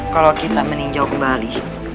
kalau kita meninjau kembali